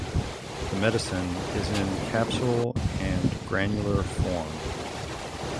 The medicine is in capsule and granular form.